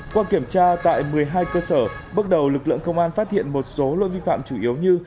qua kiểm tra tại một mươi hai cơ sở bước đầu lực lượng công an phát hiện một số lỗi vi phạm chủ yếu như